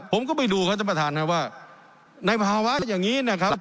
ผมก็ไปดูครับท่านประธานครับว่าในภาวะอย่างนี้นะครับ